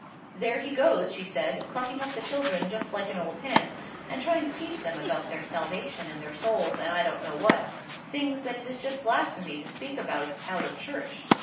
"There he goes," she said, "clucking up the children just like an old hen, and trying to teach them about their salvation and their souls, and I don't know what—things that it is just blasphemy to speak about out of church.